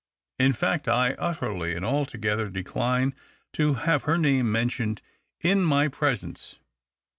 In fact, I utterly and altogether decline to have her name mentioned in my presence."